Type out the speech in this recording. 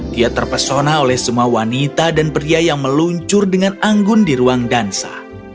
dia terpesona oleh semua wanita dan pria yang meluncur dengan anggun di ruang dansa